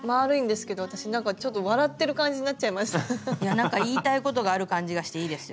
なんか言いたいことがある感じがしていいですよ。